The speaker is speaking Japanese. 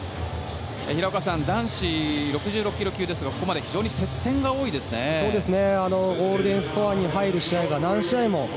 平岡さん、男子６６ｋｇ級ですがここまで接戦が多いですね。